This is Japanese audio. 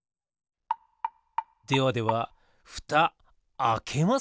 ではではふたあけますよ。